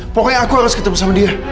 pokoknya aku harus ketemu sama dia